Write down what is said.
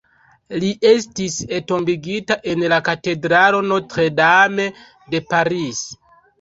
Li estis entombigita en la katedralo Notre-Dame de Paris.